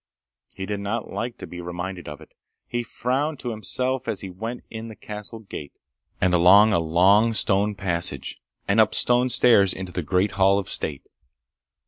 He did not like to be reminded of it. He frowned to himself as he went in the castle gate, and along a long stone passage, and up stone stairs into the great hall of state.